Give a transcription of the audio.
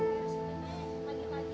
pagi pagi siapa yang dikutuk dan kenapa